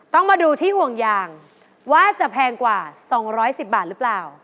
ต้องมาดูที่ห่วงยางว่าจะแพงกว่า๒๑๐บาทหรือเปล่า